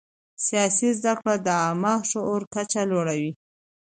سیاسي زده کړه د عامه شعور کچه لوړوي